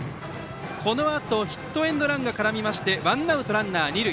このあとヒットエンドランが絡みましてワンアウトランナー、二塁。